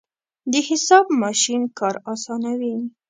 د حساب ماشین کار اسانوي.